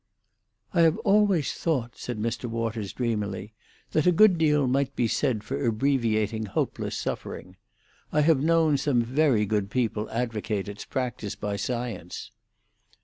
"I have always thought," said Mr. Waters dreamily, "that a good deal might be said for abbreviating hopeless suffering. I have known some very good people advocate its practice by science."